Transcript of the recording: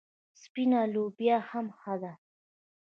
سپینه لوبیا هم ښه ده.